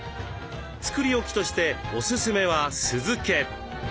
作り置きとしておすすめは酢漬け。